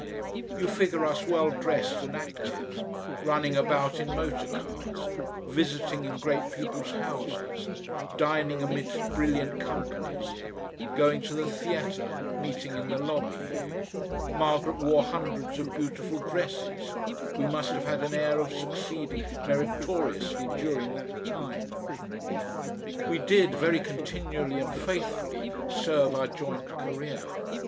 You figure us well dressed and active, running about in motor cars, visiting in great people's houses, dining amidst brilliant companies, going to the theatre, meeting in the lobby. Margaret wore hundreds of beautiful dresses. We must have had an air of succeeding meritoriously during that time. We did very continually and faithfully serve our joint career.